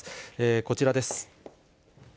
こちらです。